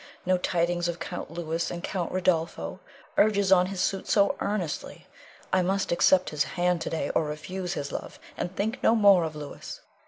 No tidings of Count Louis, and Count Rodolpho urges on his suit so earnestly. I must accept his hand to day, or refuse his love, and think no more of Louis.